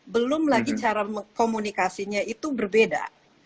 belum lagi cara komunikasinya itu berbeda